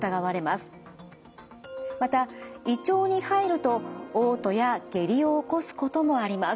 また胃腸に入るとおう吐や下痢を起こすこともあります。